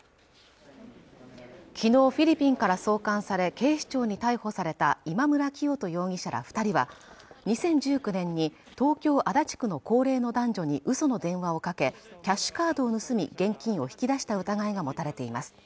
昨日フィリピンから送還され警視庁に逮捕された今村磨人容疑者ら二人は２０１９年に東京足立区の高齢の男女にうその電話をかけキャッシュカードを盗み現金を引き出した疑いが持たれています